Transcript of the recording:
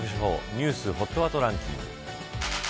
ニュースＨＯＴワードランキング。